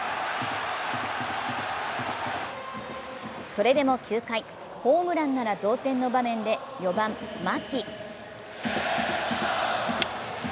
それでも９回、ホームランなら同点の場面で４番・牧。